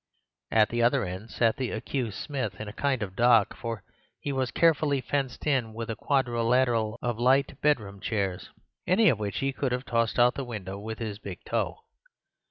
At the other end sat the accused Smith, in a kind of dock; for he was carefully fenced in with a quadrilateral of light bedroom chairs, any of which he could have tossed out the window with his big toe.